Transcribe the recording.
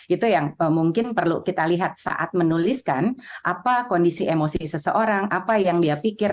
itu yang mungkin perlu kita lihat saat menuliskan apa kondisi emosi seseorang apa yang dia pikir